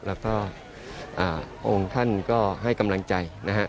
แล้วก็องค์ท่านก็ให้กำลังใจนะฮะ